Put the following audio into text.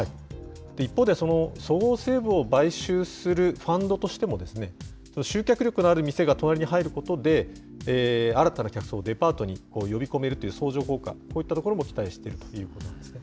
一方で、そごう・西武を買収するファンドとしても、集客力のある店が隣に入ることで、新たな客層をデパートに呼び込めるという相乗効果、こういったところも期待しているということなんですね。